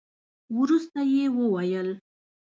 وروسته يې وويل.